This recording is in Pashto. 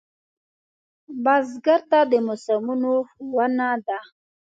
بزګر ته د موسمونو ښوونه ده